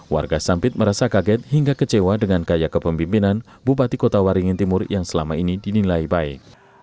warga sampit merasa kaget hingga kecewa dengan gaya kepemimpinan bupati kota waringin timur yang selama ini dinilai baik